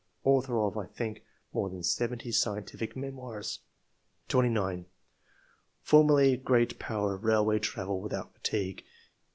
Author of, I think, more than seventy scientific memoirs." 29. [Formerly great power of railway travel without fatigue.